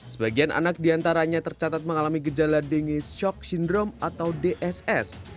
sebagian anak diantaranya tercatat mengalami gejala denge shock syndrome atau dss